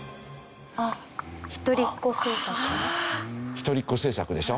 一人っ子政策でしょ？